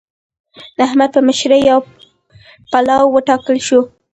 د احمد په مشرۍ يو پلاوی وټاکل شو.